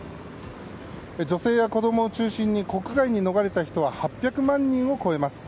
女性や子供を中心に国外に逃れた人は８００万人を超えます。